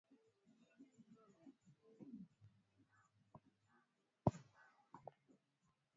Makaka anaisha mandizi yote ya ba jirani